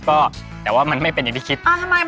ก็แต่ว่ามันไม่เป็นอย่างที่คิด